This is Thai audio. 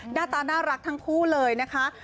หน้าตาน่ารักทั้งคู่เลยนะคะ